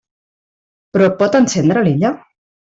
Però pot encendre l'illa?